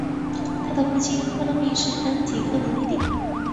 他的父亲托勒密是安提柯的弟弟。